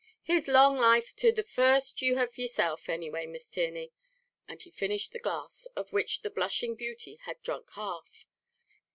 "Here's long life to the first you have yerself, any way, Miss Tierney!" and he finished the glass, of which the blushing beauty had drunk half.